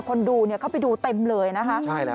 คนดูเข้าไปดูเต็มเลยนะคะ